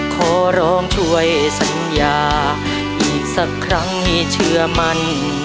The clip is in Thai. ขอร้องช่วยสัญญาอีกสักครั้งให้เชื่อมัน